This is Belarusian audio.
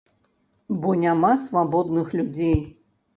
Бо няма свабодных людзей.